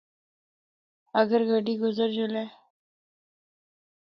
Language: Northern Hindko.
اگر گڈی گزر جُلا۔